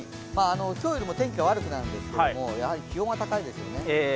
今日よりも天気は悪くなるんですけれども気温は高いですよね。